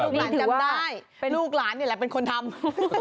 หลานจำได้ลูกหลานนี่แหละเป็นคนทำ